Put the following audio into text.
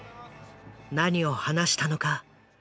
何を話したのか